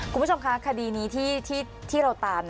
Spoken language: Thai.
คุณผู้ชมคะคดีนี้ที่เราตาม